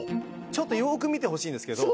ちょっとよく見てほしいんですけど。